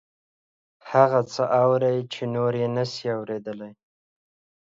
هغه څه اوري چې نور یې نشي اوریدلی